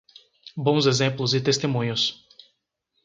Bons exemplos e testemunhos